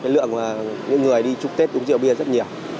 lượng những người đi chúc tết uống rượu bia rất nhiều